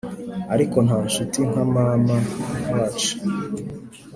ariko nta nshuti nka mama wacu.